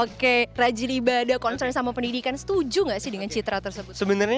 oke rajin ibadah concern sama pendidikan setuju gak sih dengan citra tersebut